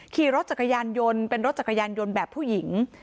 ขี่รถจักรยานยนต์เป็นรถจักรยานยนต์แบบผู้หญิง